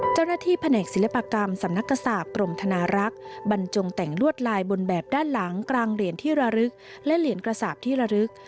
แผนกศิลปกรรมสำนักกษาปกรมธนารักษ์บรรจงแต่งลวดลายบนแบบด้านหลังกลางเหรียญที่ระลึกและเหรียญกระสาปที่ระลึก